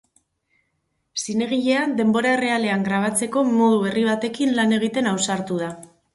Zinegilea denbora errealean grabatzeko modu berri batekin lan egiten ausartu da.